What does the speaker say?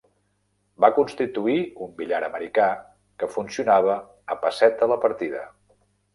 Va constituir un billar americà que funcionava a pesseta la partida.